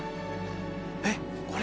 えっこれ？